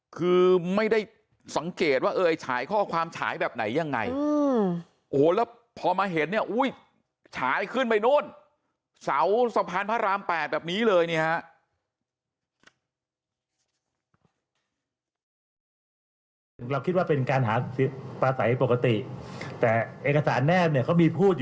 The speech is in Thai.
คือไม่ได้สังเกตว่าเอ๊ยฉายข้อความฉายแบบไหนยังไงโอ้โหแล้วพอมาเห็นเนี่ยอุ้ย